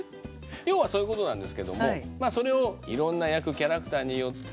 要はそういうことなんですけどもキャラクターによって。